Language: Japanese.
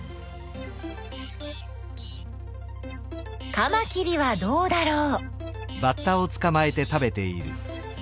カマキリはどうだろう？